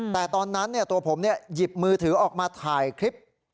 แต่ตอนนั้นตัวผมหยิบมือถือออกมาถ่ายคลิป